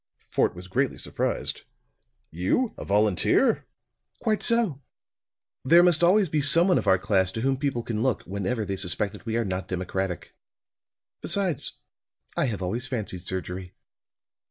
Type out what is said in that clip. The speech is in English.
Fort was greatly surprised. "You, a volunteer?" "Quite so. There must always be some one of our class to whom people can look, whenever they suspect that we are not democratic. Besides, I have always fancied surgery."